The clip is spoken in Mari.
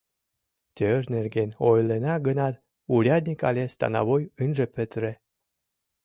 Тӧр нерген ойлена гынат, урядник але становой ынже петыре.